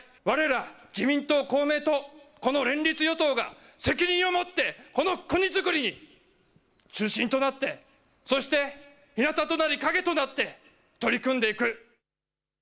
われら自民党、公明党、この連立与党が責任を持って、この国づくりに中心となって、そしてひなたとなり影となって取り組んでいく。